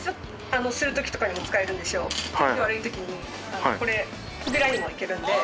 天気悪い時にこれ扉にもいけるんで。